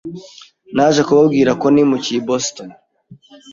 Naje kubabwira ko nimukiye i Boston.